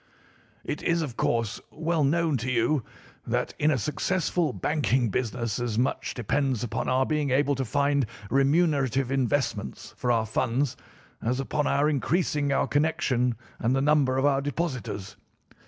"It is, of course, well known to you that in a successful banking business as much depends upon our being able to find remunerative investments for our funds as upon our increasing our connection and the number of our depositors.